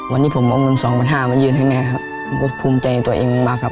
วันนี้ผมเอาเงินสองพันห้ามายืนให้แม่ครับภูมิใจตัวเองมากครับ